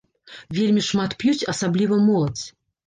Вельмі шмат п'юць, асабліва моладзь.